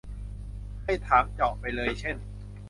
ให้ถามเจาะไปเลยเช่น